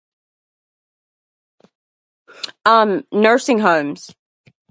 Um, nursing homes.